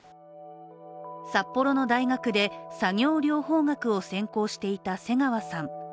札幌の大学で作業療法学を専攻していた瀬川さん。